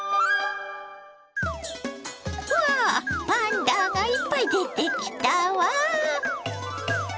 うわパンダがいっぱい出てきたわ！